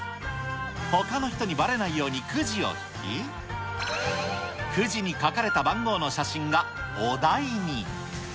ほかの人にばれないようにクジを引き、クジに書かれた番号の写真がお題に。